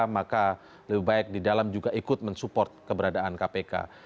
maka lebih baik di dalam juga ikut mensupport keberadaan kpk